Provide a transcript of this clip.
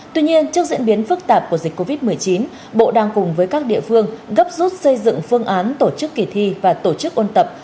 tuy nhiên trước diễn biến phức tạp của dịch covid một mươi chín bộ đang cùng với các địa phương gấp rút xây dựng phương án tổ chức kỳ thi và tổ chức ôn tập